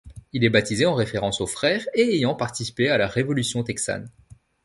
Il est baptisé en référence aux frères et ayant participé à la révolution texane.